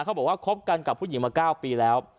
เขาบอกว่าคบกันกับผู้หญิงมา๙ปีแล้ว